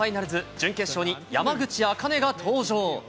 準決勝に山口茜が登場。